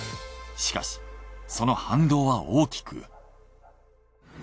しかしその反動は大きく。